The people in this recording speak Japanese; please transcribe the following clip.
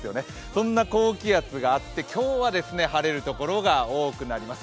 そんな高気圧があって今日は晴れるところが多くなります。